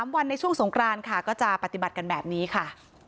วันในช่วงสงครานค่ะก็จะปฏิบัติกันแบบนี้ค่ะ